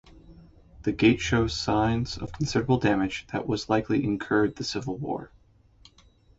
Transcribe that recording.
The gate shows signs of considerable damage that was likely incurred the civil war.